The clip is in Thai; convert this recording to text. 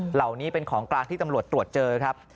เหล่านี้เป็นของกลางที่ตำรวจตรวจเจอครับ